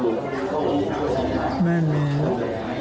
มีใครจะตัดลูกในตัวลูก